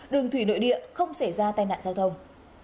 đường thủy nội địa không xảy ra tai nạn giao thông